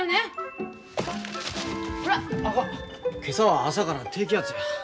今朝は朝から低気圧や。